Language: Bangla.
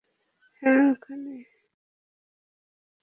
হ্যাঁ, ওখানেই।